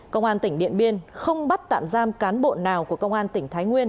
công an tỉnh điện biên không bắt tạm giam cán bộ nào của công an tỉnh thái nguyên